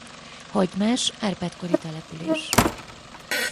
Hagymás Árpád-kori település.